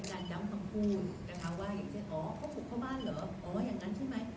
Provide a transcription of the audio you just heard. การย้ำคำพูดนะคะว่าอ๋อเขาปลูกเข้าบ้านเหรออ๋ออย่างนั้นใช่ไหม